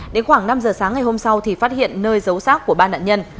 đến khoảng năm giờ sáng ngày hôm sau thì phát hiện nơi dấu sát của ba nạn nhân